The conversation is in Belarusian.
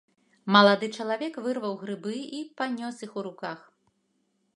Малады чалавек вырваў грыбы і панёс іх у руках.